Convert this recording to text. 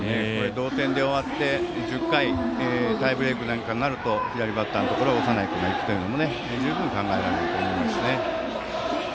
同点で終わって１０回タイブレークになると左バッターのところを長内君がいくというのも十分、考えられると思うんですね。